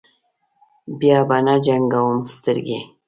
بیا به نه جنګوم سترګې.